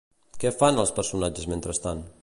Què fan els personatges mentrestant?